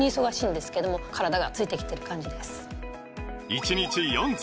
１日４粒！